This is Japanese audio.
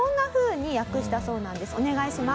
お願いします。